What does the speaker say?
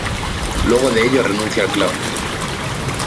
Luego de ello renuncia al club.